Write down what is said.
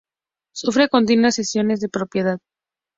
Sufre continuas cesiones de propiedad.